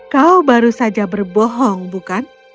kau baru saja berbohong bukan